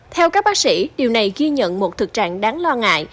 theo các bác sĩ điều này ghi nhận một thực trạng đáng lo ngại